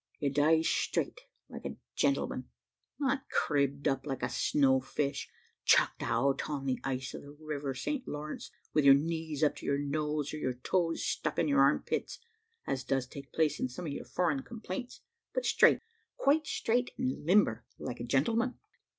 You dies straight, like a gentleman not cribbled up like a snow fish, chucked out on the ice of the river St. Lawrence, with your knees up to your nose, or your toes stuck into your arm pits, as does take place in some of your foreign complaints; but straight, quite straight, and limber, like a gentleman.